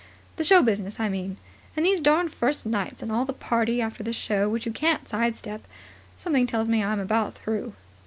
The show business I mean, and these darned first nights, and the party after the show which you can't sidestep. Something tells me I'm about through."